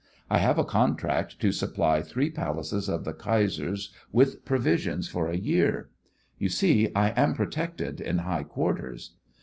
I have a contract to supply three palaces of the Kaiser's with provisions for a year. You see, I am protected in high quarters.